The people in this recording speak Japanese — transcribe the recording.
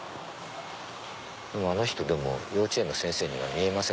でもあの人幼稚園の先生には見えません。